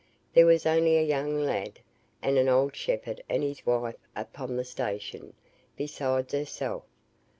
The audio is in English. There was only a young lad, and an old shepherd and his wife upon the station, besides herself.